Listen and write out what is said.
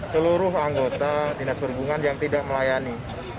seluruh anggota dinas perhubungan yang tidak melayani